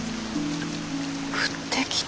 降ってきた。